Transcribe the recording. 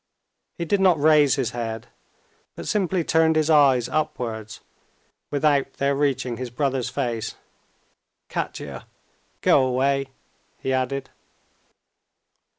He did not raise his head, but simply turned his eyes upwards, without their reaching his brother's face. "Katya, go away!" he added.